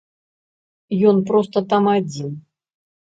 Ён проста там адзін.